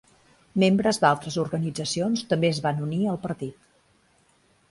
Membres d'altres organitzacions també es van unir al partit.